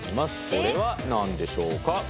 それは何でしょうか。